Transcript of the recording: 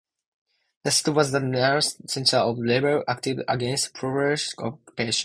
The city was the nerve center of rebel activity against Portuguese occupation.